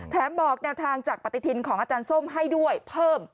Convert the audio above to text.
บอกแนวทางจากปฏิทินของอาจารย์ส้มให้ด้วยเพิ่ม